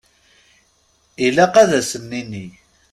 Ilaq ad sen-nini.